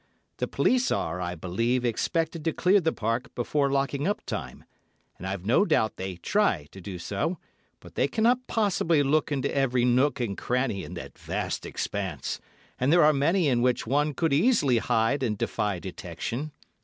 The police are, I believe, expected to clear the Park before locking up time, and I've no doubt they try to do so, but they cannot possibly look into every nook and cranny in that vast expanse, and there are many in which one could easily hide and defy detection.